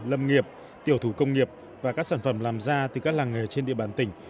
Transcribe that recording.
lâm nghiệp tiểu thủ công nghiệp và các sản phẩm làm ra từ các làng nghề trên địa bàn tỉnh